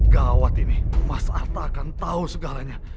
gawat ini mas arta akan tau segalanya